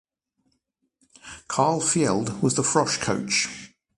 Carl Fjeld was the frosh coach.